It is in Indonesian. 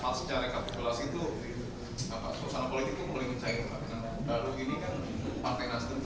pas secara katikulasi itu